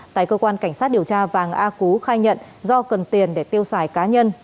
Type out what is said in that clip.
tại cơ quan cảnh sát điều tra vàng a cú khai nhận do cần tiền để tiêu xài cá nhân